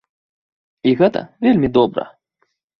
І гэта вельмі добра!